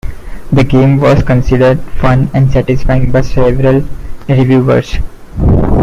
The game was considered fun and satisfying by several reviewers.